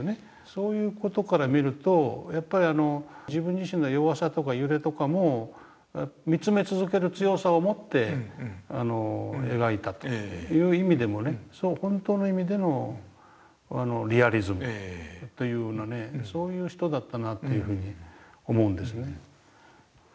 そういう事から見るとやっぱり自分自身の弱さとか揺れとかも見つめ続ける強さをもって描いたという意味でもね本当の意味でのリアリズムというようなねそういう人だったなというふうに思うんですね。